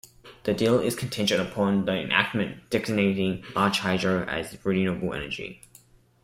The deal is contingent upon the enactment designating large hydro as "renewable energy".